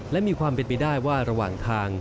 และมีความเป็นไปได้ว่าระหว่างทาง